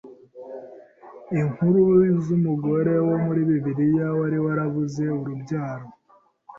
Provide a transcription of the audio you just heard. inkuru z’umugore wo muri Bibiliya wari warabuze urubyaro